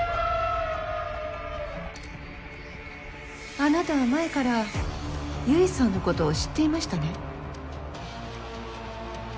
・あなたは前から結衣さんのことを知っていましたね？